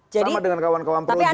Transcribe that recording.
sama dengan kawan kawan perunjung lah